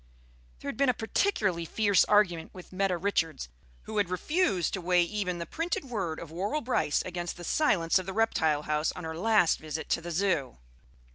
There had been a particularly fierce argument with Meta Richards, who had refused to weigh even the printed word of Worrall Brice against the silence of the Reptile House on her last visit to the Zoo.